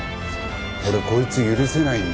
俺こいつ許せないんで。